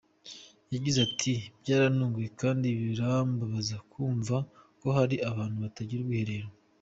Yagize ati “Byarantunguye kandi birambabaza kumva ko hari abantu batagira ubwiherero.